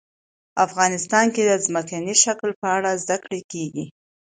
افغانستان کې د ځمکنی شکل په اړه زده کړه کېږي.